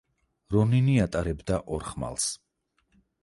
რონინი ატარებდა ორ ხმალს.